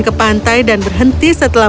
ke pantai dan berhenti setelah